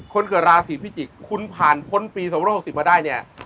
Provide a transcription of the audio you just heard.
คนเกิดราศีพิจิกคุณผ่านพ้นปีสองพันห้าร้อยหกสิบมาได้เนี่ย